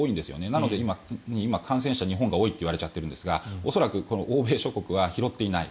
なので、今、感染者が日本が多いって言われちゃっているんですが恐らく欧米諸国は拾っていない。